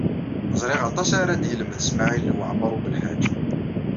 Ẓriɣ aṭas ara d-yelmed Smawil Waɛmaṛ U Belḥaǧ.